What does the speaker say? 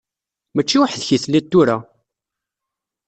Mačči weḥd-k i telliḍ tura?